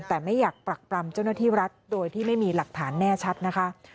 แต่ไม่อยากปรักปรำเจ้าหน้าที่รัฐโดยที่ไม่มีหลักฐานแน่ชัดนะคะ